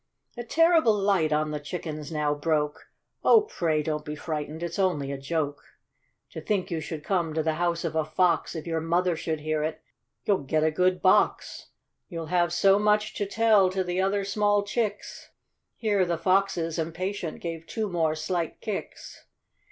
A terrible light on the chickens now broke. " 0, pray, don't be frightened, it's only a joke. QUEEN DISCONTENT. 51 To think you should come to the house of a fox : If your mother should hear it you'll get a good box. You'll have so much to tell to the other small chicks." . Here the foxes, impatient, gave two more slight kicks.